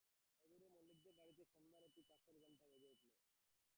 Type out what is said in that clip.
অদূরে মল্লিকদের বাড়িতে সন্ধ্যারতির কাঁসরঘণ্টা বেজে উঠল।